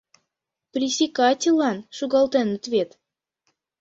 Присикатьыллан шогалтеныт вет!..